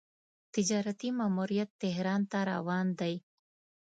تجارتي ماموریت تهران ته روان دی.